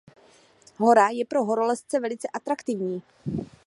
Hora je pro horolezce velice atraktivní.